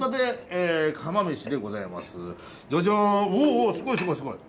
おおすごいすごいすごい。